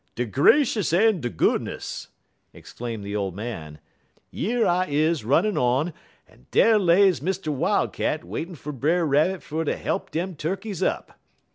"De gracious en de goodness!" exclaimed the old man. "Yer I is runnin' on en dar lays Mr. Wildcat waitin' fer Brer Rabbit fer ter help dem turkeys up.